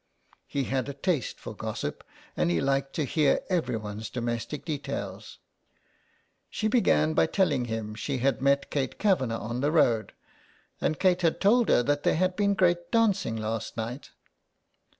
'' He had a taste for gossip, and he liked to hear everyone's domestic details. She began by telling him she had met Kate Kavanagh on the road, and Kate had told her that there had been great dancing last night.